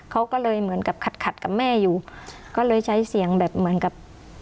เขาก็เลยเหมือนกับขัดขัดกับแม่อยู่ก็เลยใช้เสียงแบบเหมือนกับ